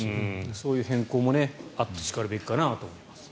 そういう変更もあってしかるべきかなと思います。